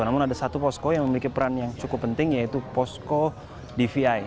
namun ada satu posko yang memiliki peran yang cukup penting yaitu posko dvi